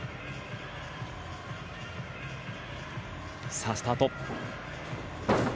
さあ、スタート。